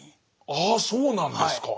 ああそうなんですか。